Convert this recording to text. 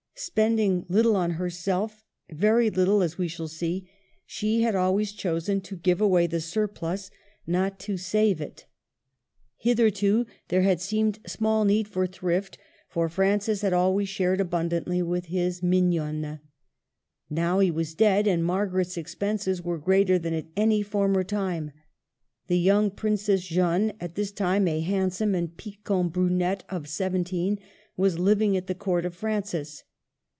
Spending little on herself, — very little, as we shall see, — she had always chosen to give away the surplus, not to save 298 MARGARET OF ANGOUL^ME. it. Hitherto there had seemed small need for thrift, for Francis had always shared abundantly with his Mignonne. Now he was dead, and Margaret's expenses were greater than at any former time. The young Princess Jeanne, at this time a handsome and piquante brunette of seventeen, was living at the Court of Francis.